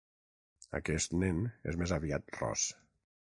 Aquest nen és més aviat ros.